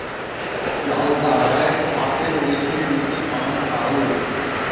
জলাধারের পাশে রয়েছে দুইটি পাম্প হাউস।